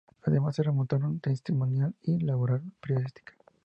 Además se retomaron "Testimonial" y "Labor periodística".